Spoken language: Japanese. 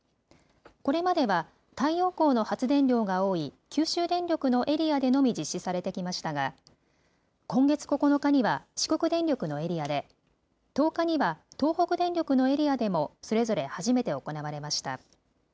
これまでは太陽光の発電量が多い九州電力のエリアでのみ実施されてきましたが、今月９日には四国電力のエリアで、１０日には東北電力のエリアでもそれぞれ初めて行われました。